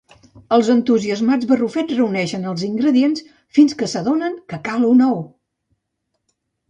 Els entusiasmats barrufets reuneixen els ingredients fins que s'adonen que cal un ou.